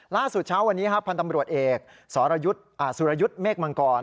ล่าสุดเช้าวันนี้ฮะพันธ์ตำรวจเอกสอรยุทธ์อ่าสุรยุทธ์เมกมังกร